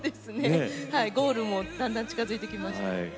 ゴールもだんだん近づいてきました。